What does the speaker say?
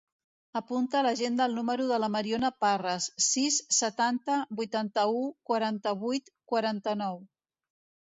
Apunta a l'agenda el número de la Mariona Parras: sis, setanta, vuitanta-u, quaranta-vuit, quaranta-nou.